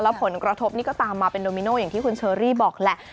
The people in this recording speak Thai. ผลกระทบนี่ก็ตามมาเป็นโดมิโน่อย่างที่คุณเชอรี่บอกแหละ